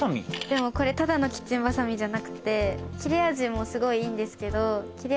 でもこれただのキッチンバサミじゃなくて切れ味もすごいいいんですけど。